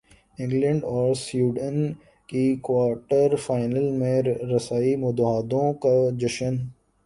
England اور Sweden کی quarter final میں رسائی مداحوں کا جشن